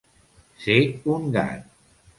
Ser un gat.